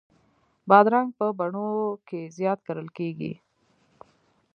بادرنګ په بڼو کې زیات کرل کېږي.